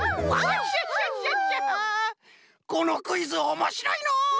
このクイズおもしろいのう！